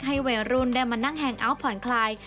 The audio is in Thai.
ให้เวรุนได้มานั่งแฮงอัลผ่อนคลาย